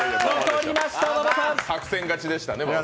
作戦勝ちでしたね。